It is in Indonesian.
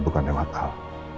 bukan dengan al